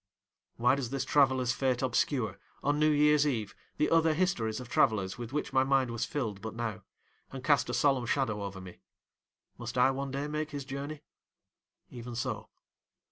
Why does this traveller's fate obscure, on New Year's Eve, the other histories of travellers with which my mind was filled but now, and cast a solemn shadow over me! Must I one day make his journey? Even so.